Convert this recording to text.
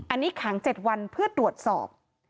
อันนี้ขัง๗วันเพื่อตรวจสอบ